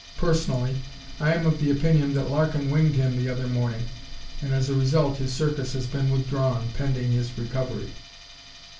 Personally, I am of the opinion that Larkin winged him the other morning, and as a result his Circus has been withdrawn, pending his recovery."